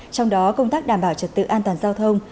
trong đó công tác đảm bảo trật tự an toàn giao thông